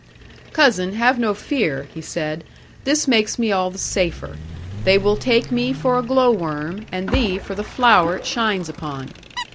'"Cousin, have no fear," he said; "this makes me all the safer; they will take me for a glow worm, and thee for the flower it shines upon.